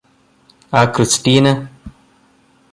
ആ ക്രിസ്റ്റീന